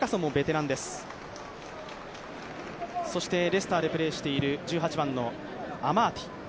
レスターでプレーしている１８番のアマーティ。